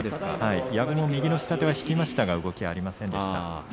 逆に右の下手は引けましたが動きはありませんでした。